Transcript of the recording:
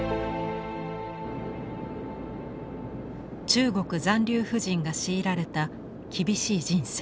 中国残留婦人が強いられた厳しい人生。